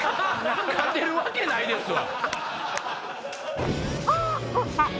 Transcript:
勝てるわけないですわ！